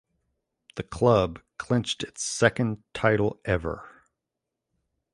The club clinched its second title ever.